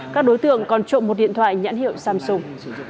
các đối tượng còn trộm một điện thoại nhãn hiệu samsung